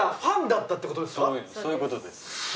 そういうことです。